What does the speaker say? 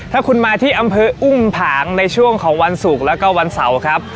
ถ้าคุณมาที่อำเภออุ้มผางในช่วงของวันศุกร์แล้วก็วันเสาร์ครับ